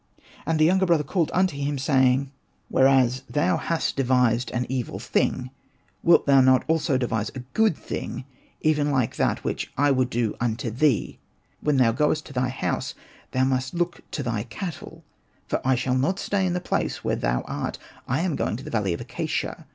And the younger brother called unto him, saying, '' Whereas thou hast devised Hosted by Google 48 ANPU AND JBATA an evil thing, wilt thou not also devise a good thing, even like that which I would do unto thee ? When thou goest to thy house thou must look to thy cattle, for I shall not stay in the place where thou art ; I am going to the valley of the acacia.